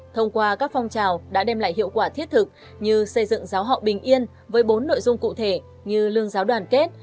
thông qua các phong trào đã đem lại hiệu quả thiết thực như xây dựng giáo họ bình yên với bốn nội dung cụ thể như lương giáo đoàn kết